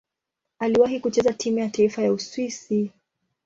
Aliwahi kucheza timu ya taifa ya Uswisi.